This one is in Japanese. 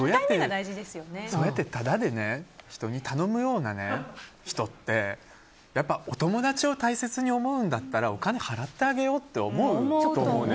そうやってタダで人に頼むような人ってお友達を大切に思うんだったらお金払ってあげようって思うと思う。